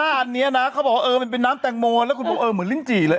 อันนี้นะเขาบอกว่าเออมันเป็นน้ำแตงโมแล้วคุณบอกเออเหมือนลิ้นจี่เลย